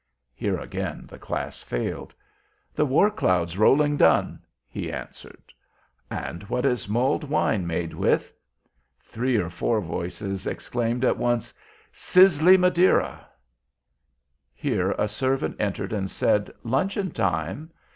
Here again the Class failed. "The war cloud's rolling Dun," he answered. "And what is mulled wine made with?" Three or four voices exclaimed at once: "Sizzle y Madeira!" Here a servant entered, and said, "Luncheon time."